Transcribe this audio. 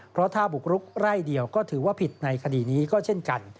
เพราะถ้าบุกรุกไร่เดียวก็ถือว่าผิดในคดีนี้ก็เช่นกัน